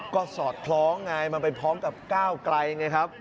ก็สอดคล้องไงมันไปพร้อมกับก้าวไกลไงครับ